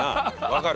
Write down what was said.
分かる。